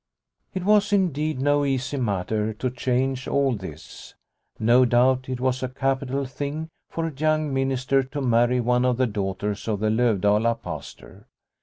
It was, Indeed, no easy matter to change all this. No doubt it was a capital thing for a young minister to marry one of the daughters of the Lovdala Pastor.